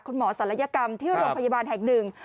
ศัลยกรรมที่โรงพยาบาลแห่งหนึ่ง